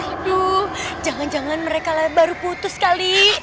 aduh jangan jangan mereka baru putus kali